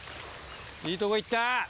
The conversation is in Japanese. いいとこいった。